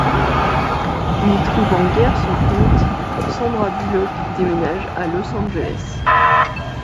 N'y trouvant guère son compte, Sandra Bullock déménage à Los Angeles.